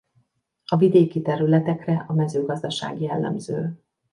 A vidéki területekre a mezőgazdaság jellemző.